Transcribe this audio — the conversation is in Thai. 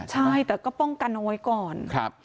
ใช่แต่ก็ป้องกันเอาไว้ก่อน